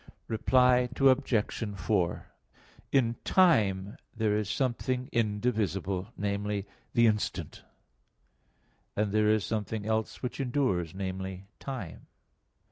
Reply Obj. 4: In time there is something indivisible namely, the instant; and there is something else which endures namely, time.